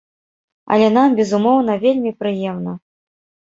Але нам, безумоўна, вельмі прыемна.